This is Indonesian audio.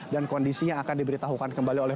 kondisinya akan diberitahukan kembali oleh